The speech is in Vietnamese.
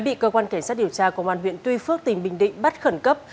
đã bị cơ quan kẻ sát điều tra công an huyện tuy phước tỉnh bình định bắt khẩn cấp